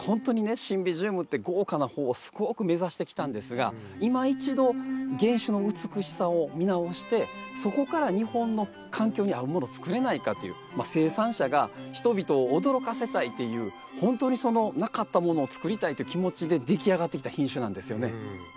シンビジウムって豪華な方をすごく目指してきたんですがいま一度原種の美しさを見直してそこから日本の環境に合うもの作れないかという生産者が人々を驚かせたいというほんとになかったものを作りたいという気持ちででき上がってきた品種なんですよね。